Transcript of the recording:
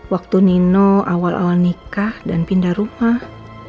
waktu nino awal awal nikah dan pindah rumah